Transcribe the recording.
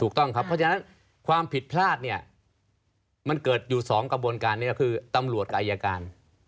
ถูกต้องครับเพราะฉะนั้นความผิดพลาดเนี่ยมันเกิดอยู่๒กระบวนการนี้ก็คือตำรวจกับอายการ